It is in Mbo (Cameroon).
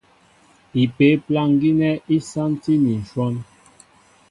Ipě' plâŋ gínɛ́ í sántí ni ǹshɔ́n.